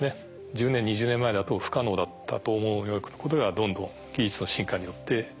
１０年２０年前だと不可能だったと思うようなことがどんどん技術の進化によって実現されていくと。